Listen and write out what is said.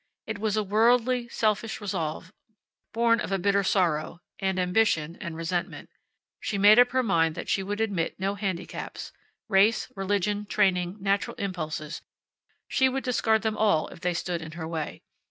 It was a worldly, selfish resolve, born of a bitter sorrow, and ambition, and resentment. She made up her mind that she would admit no handicaps. Race, religion, training, natural impulses she would discard them all if they stood in her way.